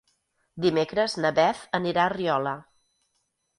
Dimecres na Beth anirà a Riola.